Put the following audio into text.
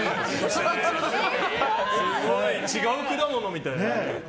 違う果物みたい。